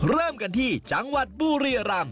เริ่มกันที่จังหวัดปูเรียรรม